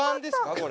これ」